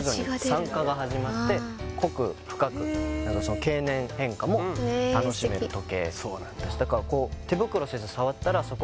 酸化が始まって濃く深くその経年変化も楽しめる時計です